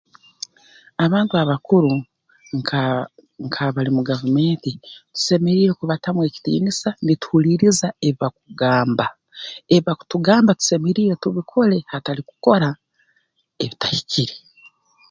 Abantu abakuru nka nk'abali mu gavumenti tusemeriire kubatamu ekitiinisa nituhuliiriza ebi bakugamba ebi bakutugamba tusemeriire tubikole hatali kukora ebitahikire